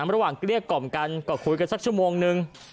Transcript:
เกลี้ยกล่อมกันก็คุยกันสักชั่วโมงนึง